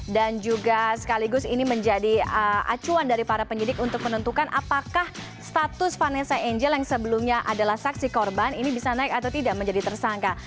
dan juga sekaligus ini menjadi acuan dari para penyidik untuk menentukan apakah status vanessa angel yang sebelumnya adalah saksi korban ini bisa naik atau tidak menjadi tersangka